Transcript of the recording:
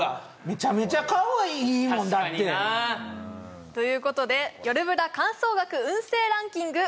めちゃめちゃ顔いいもんだって確かになということで「よるブラ」観相学運勢ランキング